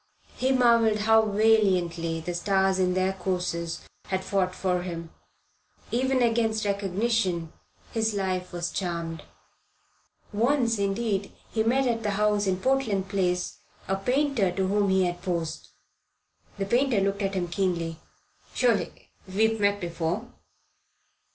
He marvelled how valiantly the stars in their courses had fought for him. Even against recognition his life was charmed. Once, indeed, he met at the house in Portland Place a painter to whom he had posed. The painter looked at him keenly. "Surely we have met before?"